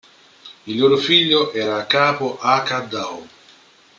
Il loro figlio era capo Haka d'Oahu.